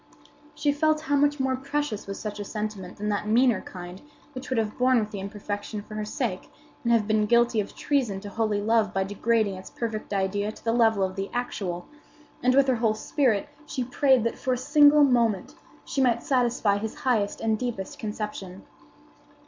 She felt how much more precious was such a sentiment than that meaner kind which would have borne with the imperfection for her sake, and have been guilty of treason to holy love by degrading its perfect idea to the level of the actual; and with her whole spirit she prayed that, for a single moment, she might satisfy his highest and deepest conception.